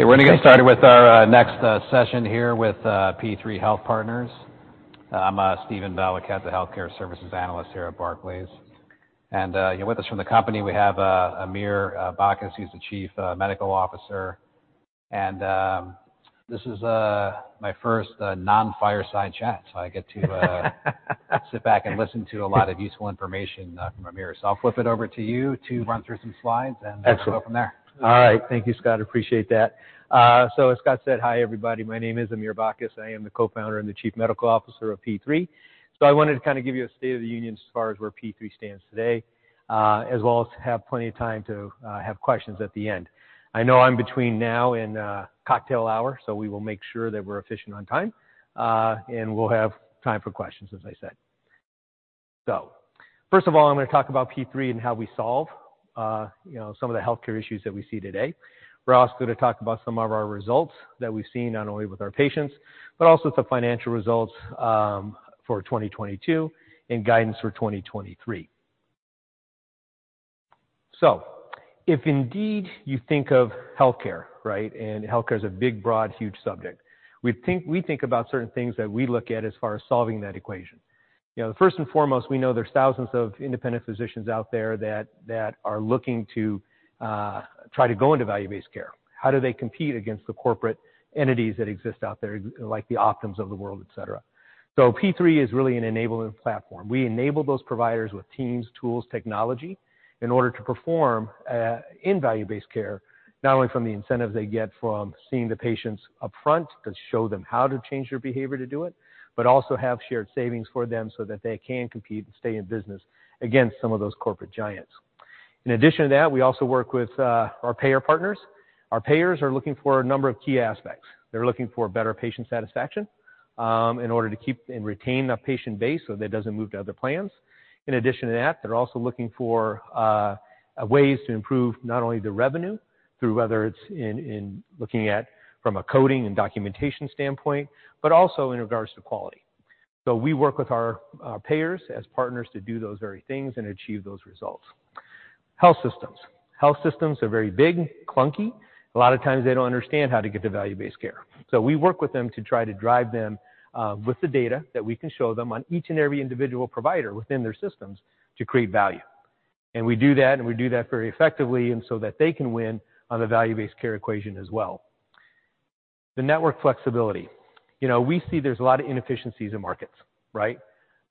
Okay, we're gonna get started with our next session here with P3 Health Partners. I'm Steven Valiquette, the Healthcare Services Analyst here at Barclays. Here with us from the company, we have Amir Bacchus. He's the Chief Medical Officer. This is my first non-fireside chat, so I get to sit back and listen to a lot of useful information from Amir. I'll flip it over to you to run through some slides. Excellent. We'll go from there. All right. Thank you, Steve. Appreciate that. As Steve said, hi, everybody. My name is Amir Bacchus. I am the Co-founder and the Chief Medical Officer of P3. I wanted to give you a state of the union as far as where P3 stands today, as well as have plenty of time to have questions at the end. I know I'm between now and cocktail hour, we will make sure that we're efficient on time, and we'll have time for questions, as I said. First of all, I'm gonna talk about P3 and how we solve, you know, some of the healthcare issues that we see today. We're also gonna talk about some of our results that we've seen not only with our patients, but also some financial results for 2022 and guidance for 2023. If indeed you think of healthcare, right, and healthcare is a big, broad, huge subject, we think about certain things that we look at as far as solving that equation. You know, first and foremost, we know there's thousands of independent physicians out there that are looking to try to go into value-based care. How do they compete against the corporate entities that exist out there, like the Optums of the world, et cetera? P3 is really an enablement platform. We enable those providers with teams, tools, technology in order to perform in value-based care, not only from the incentives they get from seeing the patients upfront to show them how to change their behavior to do it, but also have shared savings for them so that they can compete and stay in business against some of those corporate giants. In addition to that, we also work with our payer partners. Our payers are looking for a number of key aspects. They're looking for better patient satisfaction, in order to keep and retain that patient base, so that it doesn't move to other plans. In addition to that, they're also looking for ways to improve not only the revenue through, whether it's in looking at from a coding and documentation standpoint, but also in regards to quality. We work with our payers as partners to do those very things and achieve those results. Health systems. Health systems are very big, clunky. A lot of times they don't understand how to get to value-based care, so we work with them to try to drive them with the data that we can show them on each and every individual provider within their systems to create value. We do that very effectively and so that they can win on the value-based care equation as well. The network flexibility. You know, we see there's a lot of inefficiencies in markets, right?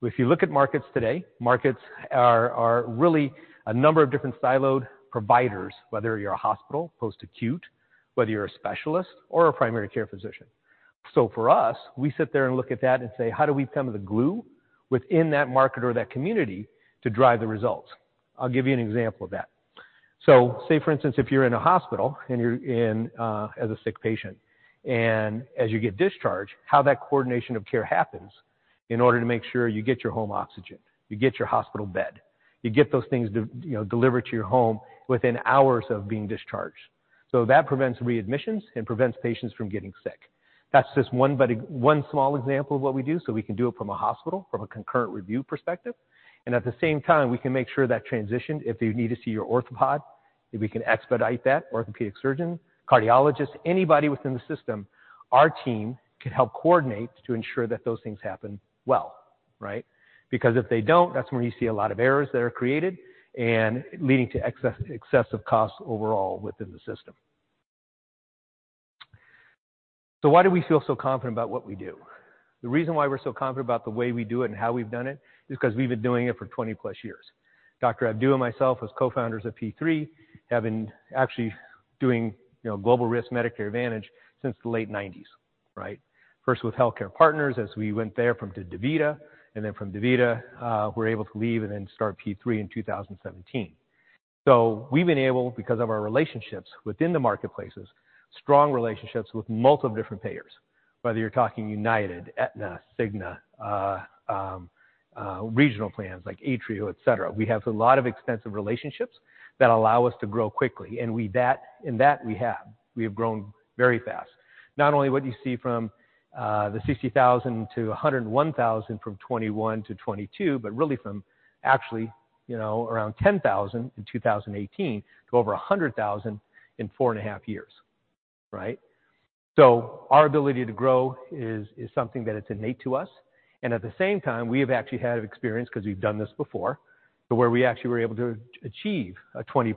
If you look at markets today, markets are really a number of different siloed providers, whether you're a hospital, post-acute, whether you're a specialist or a primary care physician. For us, we sit there and look at that and say, "How do we become the glue within that market or that community to drive the results?" I'll give you an example of that. Say, for instance, if you're in a hospital and you're in, as a sick patient, and as you get discharged, how that coordination of care happens in order to make sure you get your home oxygen, you get your hospital bed, you get those things, you know, delivered to your home within hours of being discharged. That prevents readmissions and prevents patients from getting sick. That's just one small example of what we do, so we can do it from a hospital, from a concurrent review perspective. At the same time, we can make sure that transition, if you need to see your orthopod, if we can expedite that, orthopedic surgeon, cardiologist, anybody within the system, our team can help coordinate to ensure that those things happen well, right? Because if they don't, that's when you see a lot of errors that are created and leading to excess, excessive costs overall within the system. Why do we feel so confident about what we do? The reason why we're so confident about the way we do it and how we've done it is 'cause we've been doing it for 20-plus years. Dr. Abdou and myself, as co-founders of P3, have been actually doing, you know, global risk Medicare Advantage since the late 90s, right? First with HealthCare Partners as we went there from to DaVita, and then from DaVita, we were able to leave and then start P3 in 2017. We've been able, because of our relationships within the marketplaces, strong relationships with multiple different payers, whether you're talking United, Aetna, Cigna, regional plans like ATRIO, et cetera. We have a lot of extensive relationships that allow us to grow quickly, and that we have. We have grown very fast. Not only what you see from the 60,000 to 101,000 from 2021 to 2022, but really from actually, you know, around 10,000 in 2018 to over 100,000 in four and a half years, right? Our ability to grow is something that is innate to us. At the same time, we have actually had experience because we've done this before, but where we actually were able to achieve a 20%+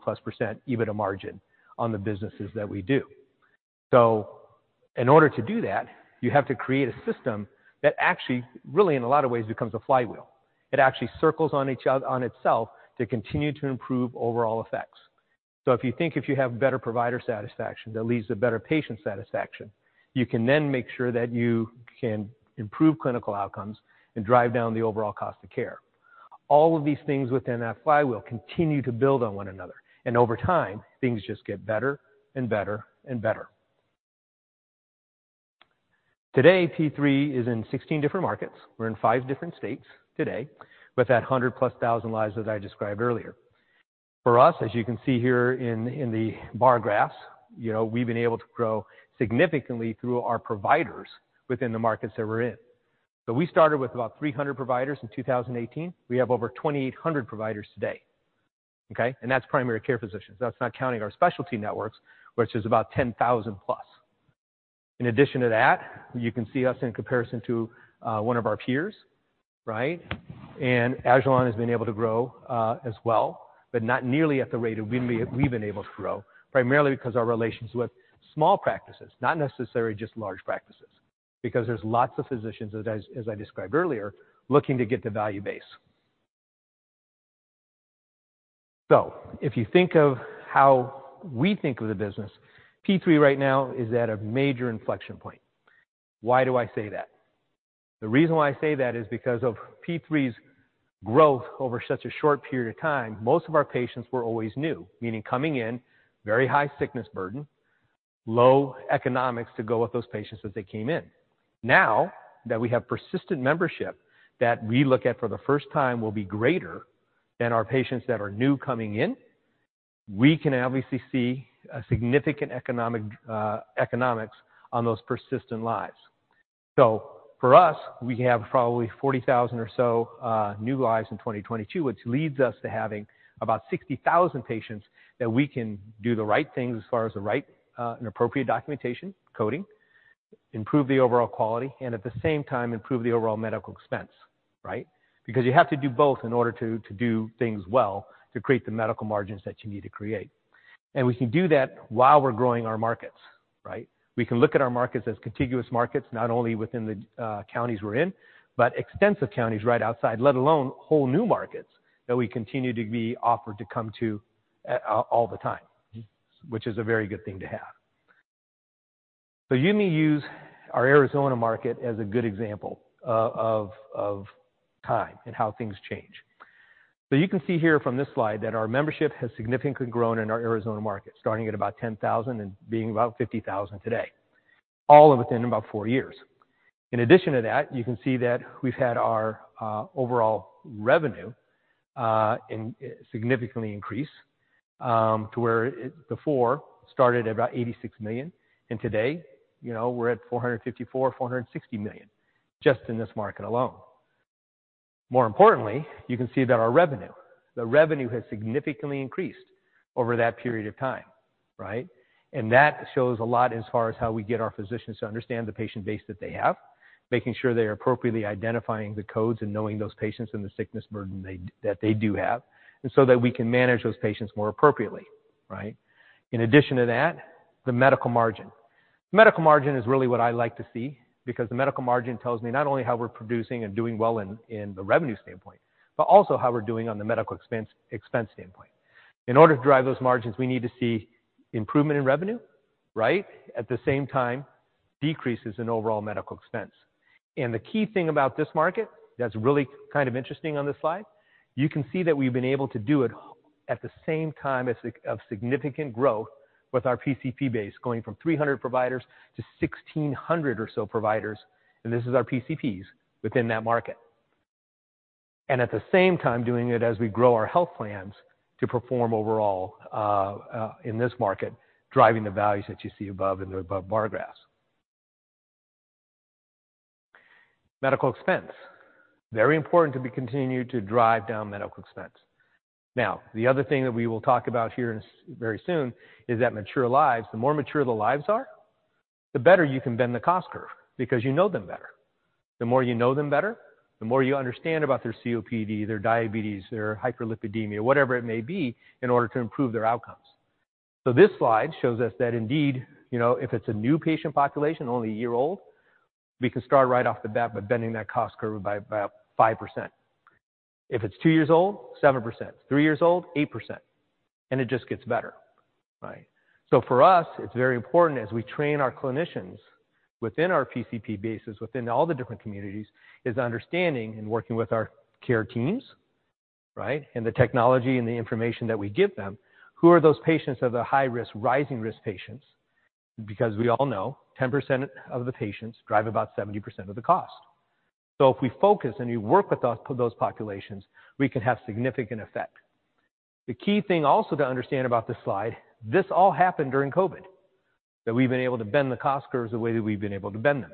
EBITDA margin on the businesses that we do. In order to do that, you have to create a system that actually really in a lot of ways becomes a flywheel. It actually circles on itself to continue to improve overall effects. If you think if you have better provider satisfaction, that leads to better patient satisfaction, you can then make sure that you can improve clinical outcomes and drive down the overall cost of care. All of these things within that flywheel continue to build on one another, and over time, things just get better and better and better. Today, P3 is in 16 different markets. We're in five different states today, with that 100-plus thousand lives, as I described earlier. For us, as you can see here in the bar graphs, you know, we've been able to grow significantly through our providers within the markets that we're in. We started with about 300 providers in 2018. We have over 2,800 providers today, okay? That's primary care physicians. That's not counting our specialty networks, which is about 10,000+. In addition to that, you can see us in comparison to one of our peers, right? Agilon has been able to grow as well, but not nearly at the rate we've been able to grow, primarily because our relations with small practices, not necessarily just large practices. There's lots of physicians, as I described earlier, looking to get to value-based. If you think of how we think of the business, P3 right now is at a major inflection point. Why do I say that? The reason why I say that is because of P3's growth over such a short period of time, most of our patients were always new. Meaning coming in, very high sickness burden, low economics to go with those patients as they came in. Now that we have persistent membership that we look at for the first time will be greater than our patients that are new coming in, we can obviously see a significant economic economics on those persistent lives. For us, we have probably 40,000 or so new lives in 2022, which leads us to having about 60,000 patients that we can do the right things as far as the right and appropriate documentation, coding, improve the overall quality, and at the same time, improve the overall medical expense, right? Because you have to do both in order to do things well to create the medical margins that you need to create. We can do that while we're growing our markets, right? We can look at our markets as contiguous markets, not only within the counties we're in, but extensive counties right outside, let alone whole new markets that we continue to be offered to come to all the time, which is a very good thing to have. You may use our Arizona market as a good example of time and how things change. You can see here from this slide that our membership has significantly grown in our Arizona market, starting at about 10,000 and being about 50,000 today, all within about four years. In addition to that, you can see that we've had our overall revenue significantly increase to where before started at about $86 million, and today, you know, we're at $454 million-$460 million just in this market alone. More importantly, you can see that our revenue has significantly increased over that period of time, right? That shows a lot as far as how we get our physicians to understand the patient base that they have, making sure they're appropriately identifying the codes and knowing those patients and the sickness burden that they do have, and so that we can manage those patients more appropriately, right? In addition to that, the medical margin. The medical margin is really what I like to see because the medical margin tells me not only how we're producing and doing well in the revenue standpoint, but also how we're doing on the medical expense standpoint. In order to drive those margins, we need to see improvement in revenue, right? At the same time, decreases in overall medical expense. The key thing about this market that's really kind of interesting on this slide, you can see that we've been able to do it at the same time as of significant growth with our PCP base going from 300 providers to 1,600 or so providers, and this is our PCPs within that market. At the same time doing it as we grow our health plans to perform overall in this market, driving the values that you see above in the above bar graphs. Medical expense. Very important to be continued to drive down medical expense. The other thing that we will talk about here very soon is that mature lives, the more mature the lives are, the better you can bend the cost curve because you know them better. The more you know them better, the more you understand about their COPD, their diabetes, their hyperlipidemia, whatever it may be, in order to improve their outcomes. This slide shows us that indeed, you know, if it's a new patient population, only a year old, we can start right off the bat by bending that cost curve by about 5%. If it's two years old, 7%, three years old, 8%, and it just gets better, right? For us, it's very important as we train our clinicians within our PCP bases, within all the different communities, is understanding and working with our care teams, right? The technology and the information that we give them. Who are those patients that are the high risk, rising risk patients? We all know 10% of the patients drive about 70% of the cost. If we focus and we work with those populations, we can have significant effect. The key thing also to understand about this slide, this all happened during COVID, that we've been able to bend the cost curves the way that we've been able to bend them.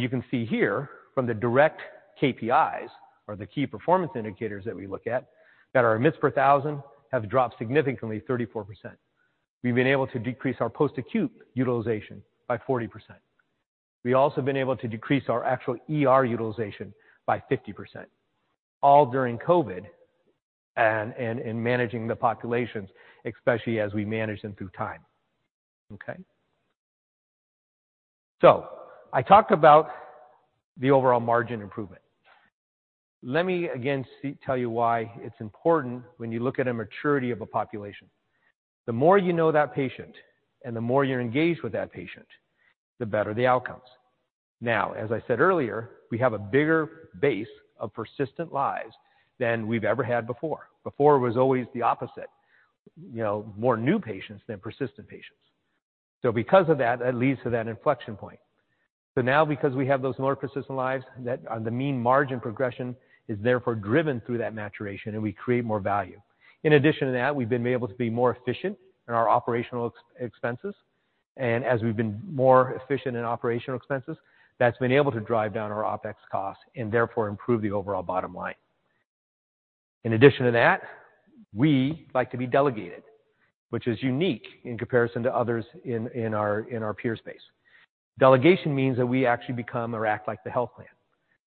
You can see here from the direct KPIs or the key performance indicators that we look at, that our admits per 1,000 have dropped significantly, 34%. We've been able to decrease our post-acute utilization by 40%. We also have been able to decrease our actual ER utilization by 50%, all during COVID and in managing the populations, especially as we manage them through time. Okay? I talked about the overall margin improvement. Let me again tell you why it's important when you look at a maturity of a population. The more you know that patient and the more you're engaged with that patient, the better the outcomes. As I said earlier, we have a bigger base of persistent lives than we've ever had before. Before it was always the opposite, you know, more new patients than persistent patients. Because of that leads to that inflection point. Now because we have those more persistent lives, that the mean margin progression is therefore driven through that maturation and we create more value. In addition to that, we've been able to be more efficient in our operational expenses, and as we've been more efficient in operational expenses, that's been able to drive down our OpEx costs and therefore improve the overall bottom line. In addition to that, we like to be delegated, which is unique in comparison to others in our peer space. Delegation means that we actually become or act like the health plan.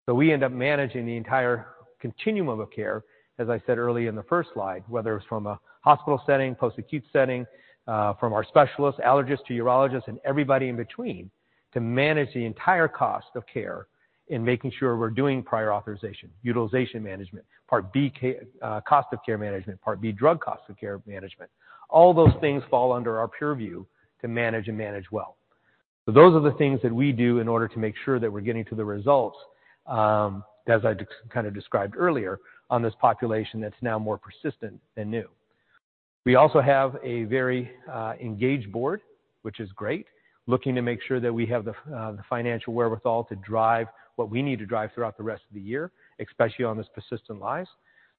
We end up managing the entire continuum of care, as I said early in the first slide, whether it's from a hospital setting, post-acute setting, from our specialists, allergists to urologists and everybody in between, to manage the entire cost of care in making sure we're doing Prior Authorization, Utilization Management, Part B cost of care management, Part B drug cost of care management. All those things fall under our purview to manage and manage well. Those are the things that we do in order to make sure that we're getting to the results, as I kind of described earlier, on this population that's now more persistent than new. We also have a very engaged board, which is great, looking to make sure that we have the financial wherewithal to drive what we need to drive throughout the rest of the year, especially on this persistent lives,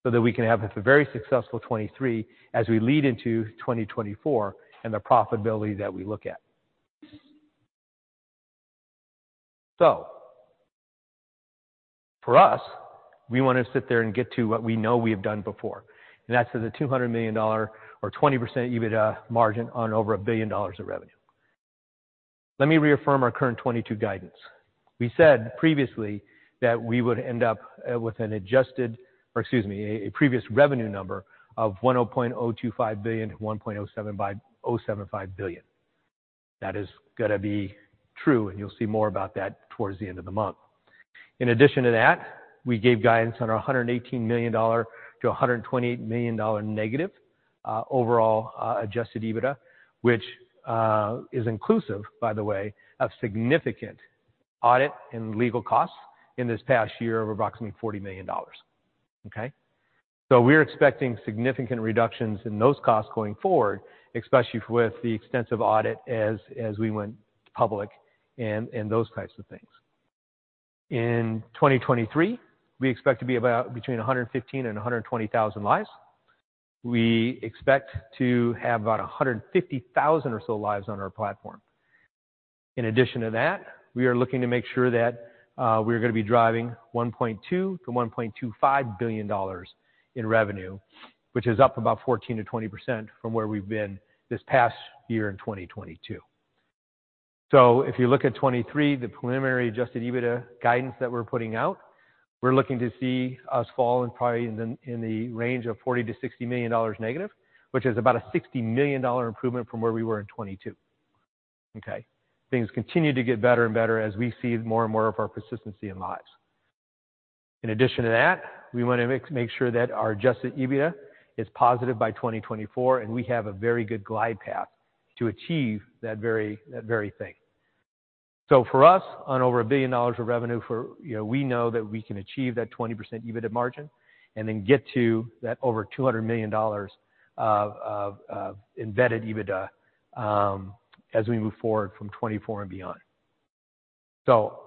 so that we can have a very successful 2023 as we lead into 2024 and the profitability that we look at. For us, we want to sit there and get to what we know we have done before, and that's at a $200 million or 20% EBITDA margin on over $1 billion of revenue. Let me reaffirm our current 2022 guidance. We said previously that we would end up with an adjusted, or excuse me, a previous revenue number of $1.025 billion to $1.075 billion. That is gonna be true. You'll see more about that towards the end of the month. In addition to that, we gave guidance on a $118 million-$128 million negative overall adjusted EBITDA, which is inclusive, by the way, of significant audit and legal costs in this past year of approximately $40 million. Okay? We're expecting significant reductions in those costs going forward, especially with the extensive audit as we went public and those types of things. In 2023, we expect to be about between 115,000 and 120,000 lives. We expect to have about 150,000 or so lives on our platform. In addition to that, we are looking to make sure that we're gonna be driving $1.2 billion-$1.25 billion in revenue, which is up about 14%-20% from where we've been this past year in 2022. If you look at 2023, the preliminary adjusted EBITDA guidance that we're putting out, we're looking to see us fall in probably in the range of $40 million-$60 million negative, which is about a $60 million improvement from where we were in 2022. Okay. Things continue to get better and better as we see more and more of our persistency in lives. In addition to that, we wanna make sure that our adjusted EBITDA is positive by 2024, and we have a very good glide path to achieve that very thing. For us, on over $1 billion of revenue for, you know, we know that we can achieve that 20% EBITDA margin and then get to that over $200 million of embedded EBITDA, as we move forward from 2024 and beyond.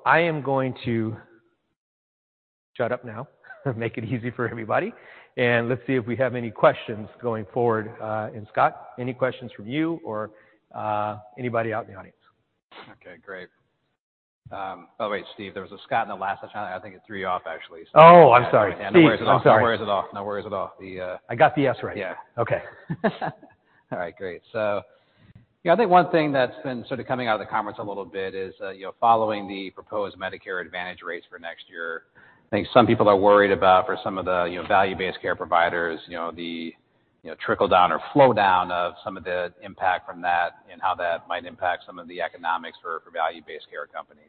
I am going to shut up now and make it easy for everybody, and let's see if we have any questions going forward, and Scott, any questions from you or anybody out in the audience? Okay, great. Oh, wait, Steve. There was a Scott in the last session. I think it threw you off, actually, Steve. Oh, I'm sorry. Steve. No worries at all. I got the S right. Yeah. Okay. All right, great. I think one thing that's been sort of coming out of the conference a little bit is, you know, following the proposed Medicare Advantage rates for next year, I think some people are worried about for some of the, you know, value-based care providers, you know, the, you know, trickle-down or flow-down of some of the impact from that and how that might impact some of the economics for value-based care companies.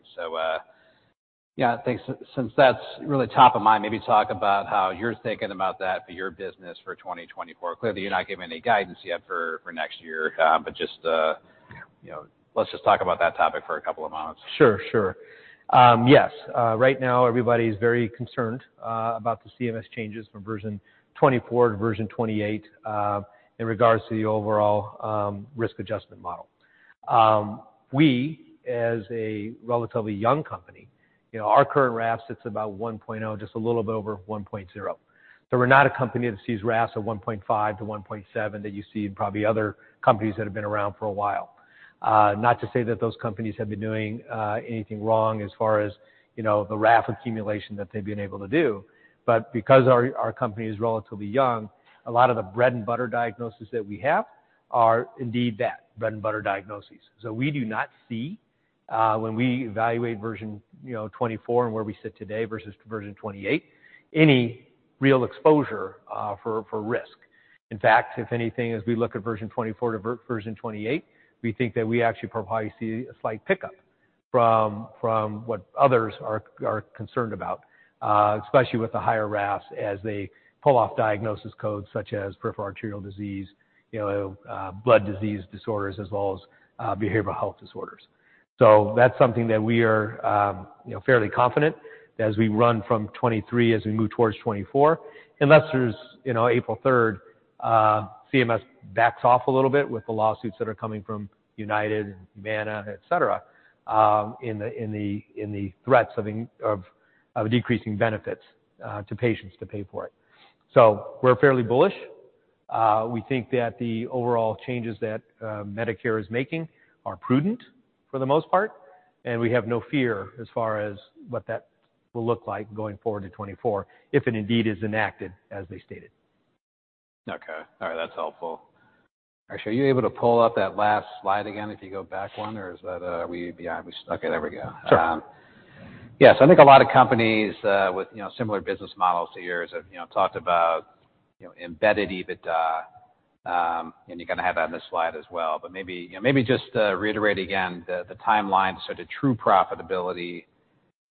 Yeah, I think since that's really top of mind, maybe talk about how you're thinking about that for your business for 2024. Clearly, you're not giving any guidance yet for next year, just, you know, let's just talk about that topic for a couple of moments. Sure, sure. Yes, right now everybody's very concerned about the CMS changes from Version 24 to Version 28 in regards to the overall Risk Adjustment model. We, as a relatively young company, you know, our current RAF sits about 1.0, just a little bit over 1.0. We're not a company that sees RAFs of 1.5 to 1.7 that you see in probably other companies that have been around for a while. Not to say that those companies have been doing anything wrong as far as, you know, the RAF accumulation that they've been able to do. Because our company is relatively young, a lot of the bread-and-butter diagnosis that we have are indeed that, bread-and-butter diagnoses. We do not see, when we evaluate Version 24 and where we sit today versus Version 28, any real exposure for risk. In fact, if anything, as we look at Version 24 to Version 28, we think that we actually probably see a slight pickup from what others are concerned about, especially with the higher RAFs as they pull off diagnosis codes such as peripheral arterial disease, you know, blood disease disorders, as well as behavioral health disorders. That's something that we are, you know, fairly confident as we run from 2023 as we move towards 2024, unless there's, you know, April 3rd, CMS backs off a little bit with the lawsuits that are coming from United, Humana, et cetera, in the threats Of decreasing benefits to patients to pay for it. We're fairly bullish. We think that the overall changes that Medicare is making are prudent for the most part, and we have no fear as far as what that will look like going forward to 2024, if it indeed is enacted as they stated. Okay. All right. That's helpful. Actually, are you able to pull up that last slide again, if you go back one, or is that, yeah, okay, there we go. Sure. Yeah. I think a lot of companies, with, you know, similar business models to yours have, you know, talked about, you know, embedded EBITDA, and you kind of have it on this slide as well. Maybe, you know, maybe just reiterate again the timeline to sort of true profitability.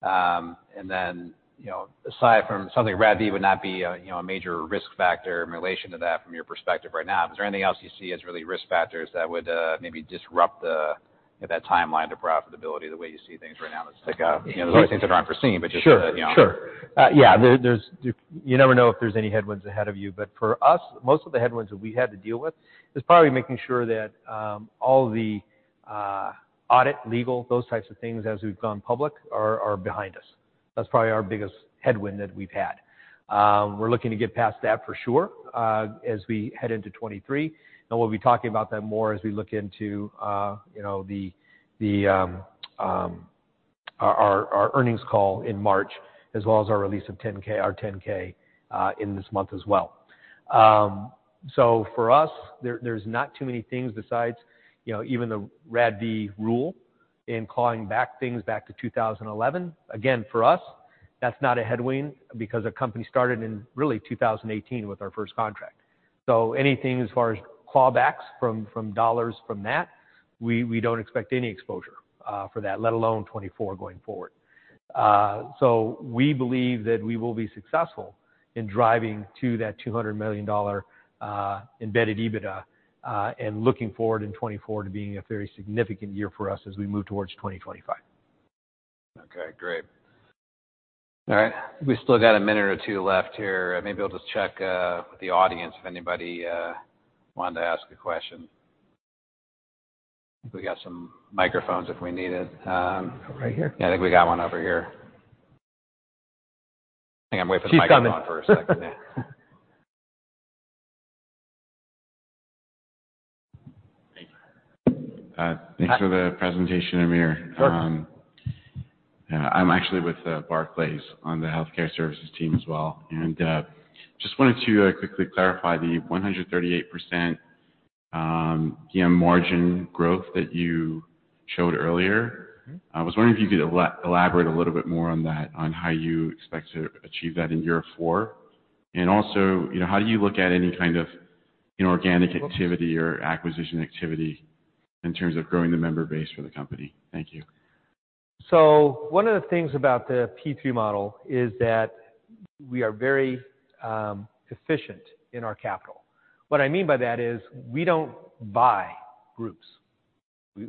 And then, you know, aside from something RADV would not be a, you know, a major risk factor in relation to that from your perspective right now. Is there anything else you see as really risk factors that would maybe disrupt the, you know, that timeline to profitability the way you see things right now? It's like, you know, there's always things that aren't foreseen, but just so you know. Sure. Sure. Yeah. There's you never know if there's any headwinds ahead of you. For us, most of the headwinds that we had to deal with is probably making sure that all the audit, legal, those types of things as we've gone public are behind us. That's probably our biggest headwind that we've had. We're looking to get past that for sure, as we head into 23, and we'll be talking about that more as we look into, you know, the our earnings call in March, as well as our release of 10-K in this month as well. So for us, there's not too many things besides, you know, even the RADV rule in calling back things back to 2011. For us, that's not a headwind because our company started in really 2018 with our first contract. Anything as far as claw backs from dollars from that, we don't expect any exposure for that, let alone 2024 going forward. We believe that we will be successful in driving to that $200 million embedded EBITDA, and looking forward in 2024 to being a very significant year for us as we move towards 2025. Okay, great. All right. We still got a minute or two left here. I maybe I'll just check the audience if anybody wanted to ask a question. I think we got some microphones if we need it. Right here. Yeah, I think we got one over here. Hang on. I'm waiting for the microphone for a second. He's coming. Yeah. Thank you. Thanks for the presentation, Amir. Perfect. I'm actually with Barclays on the healthcare services team as well. Just wanted to quickly clarify the 138% PM margin growth that you showed earlier. Mm-hmm. I was wondering if you could elaborate a little bit more on that, on how you expect to achieve that in year four. Also, you know, how do you look at any kind of inorganic activity or acquisition activity in terms of growing the member base for the company? Thank you. One of the things about the P3 model is that we are very efficient in our capital. What I mean by that is we don't buy groups.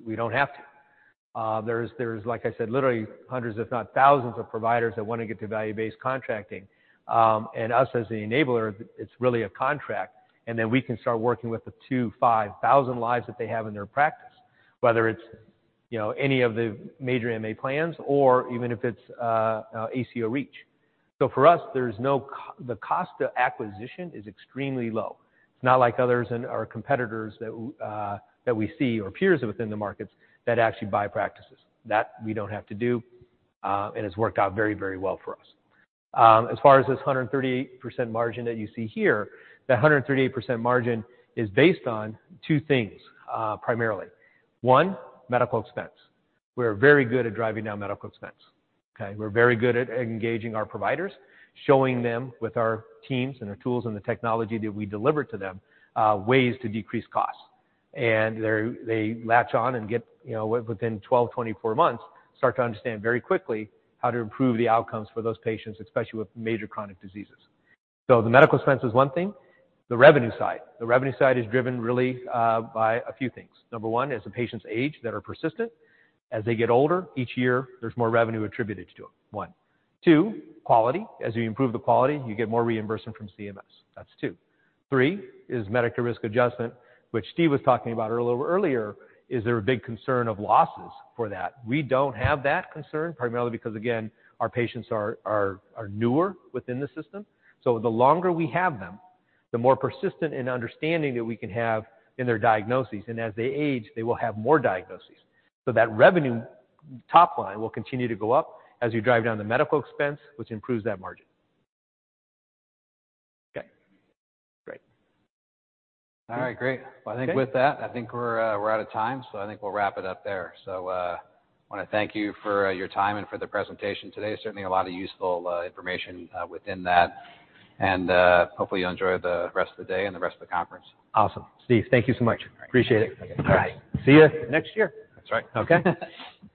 We don't have to. There's, like I said, literally 100, if not 1,000, of providers that wanna get to value-based contracting. Us as the enabler, it's really a contract, and then we can start working with the two, 5,000 lives that they have in their practice, whether it's, you know, any of the major MA plans or even if it's ACO REACH. For us, there's no the cost to acquisition is extremely low. It's not like others in our competitors that we see or peers within the markets that actually buy practices. That we don't have to do, it's worked out very, very well for us. As far as this 138% margin that you see here, that 138% margin is based on two things, primarily. One. medical expense. We're very good at driving down medical expense. Okay? We're very good at engaging our providers, showing them with our teams and our tools and the technology that we deliver to them, ways to decrease costs. They latch on and get, you know, within 12, 24 months, start to understand very quickly how to improve the outcomes for those patients, especially with major chronic diseases. The medical expense is one thing. The revenue side. The revenue side is driven really by a few things. Number one, as the patients age that are persistent, as they get older, each year, there's more revenue attributed to them. One. Two. Quality. As you improve the quality, you get more reimbursement from CMS. That's two. Three is medical risk adjustment, which Steve was talking about earlier. Is there a big concern of losses for that? We don't have that concern, primarily because, again, our patients are newer within the system. The longer we have them, the more persistent in understanding that we can have in their diagnoses. As they age, they will have more diagnoses. That revenue top line will continue to go up as you drive down the medical expense, which improves that margin. Okay, great. All right, great. Okay. Well, I think with that, I think we're out of time, so I think we'll wrap it up there. I wanna thank you for, your time and for the presentation today. Certainly a lot of useful, information, within that. Hopefully you'll enjoy the rest of the day and the rest of the conference. Awesome. Steve, thank you so much. Appreciate it. All right. Take care. Bye. All right. See you next year. That's right. Okay.